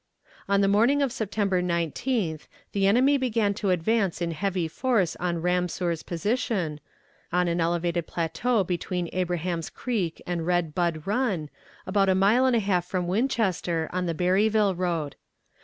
On the morning of September 19th, the enemy began to advance in heavy force on Ramseur's position, on an elevated plateau between Abraham's Creek and Red Bud Run, about a mile and a half from Winchester, on the Berryville road.